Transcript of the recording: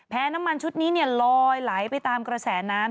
น้ำมันชุดนี้ลอยไหลไปตามกระแสน้ำ